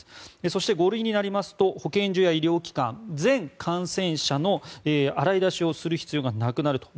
そして、５類になりますと保健所や医療機関は全感染者の洗い出しをする必要がなくなると。